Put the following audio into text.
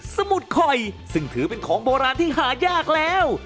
สมุดข่อยซึ่งถือเป็นของโบราณที่หายากแล้ว